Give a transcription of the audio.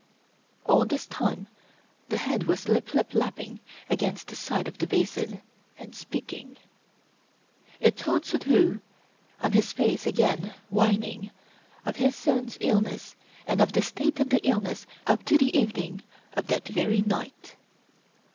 All this time the head was " lip lip lapping " against the side of the basin, and speaking. It told Suddhoo, on his face again whining, of his son's illness and of the state of the illness up to the evening of that very night.